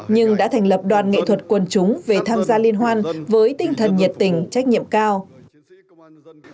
nhưng đã thành lập đoàn nghệ thuật quần chúng về tham gia liên hoan với tinh thần nhiệt tình trách nhiệm cao